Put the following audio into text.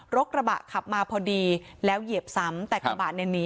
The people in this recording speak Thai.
กระบะขับมาพอดีแล้วเหยียบซ้ำแต่กระบะเนี่ยหนี